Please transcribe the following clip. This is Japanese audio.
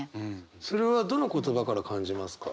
それはどの言葉から感じますか？